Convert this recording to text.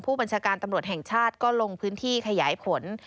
บัญชาการตำรวจแห่งชาติก็ลงพื้นที่ขยายผล